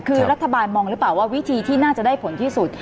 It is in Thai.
คือรัฐบาลมองหรือเปล่าว่าวิธีที่น่าจะได้ผลที่สุด